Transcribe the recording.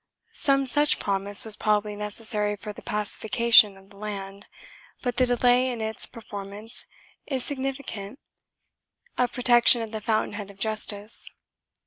2 Some such promise was probably necessary for the pacification of the land, but the delay in its performance is significant of protection at the fountain head of justice.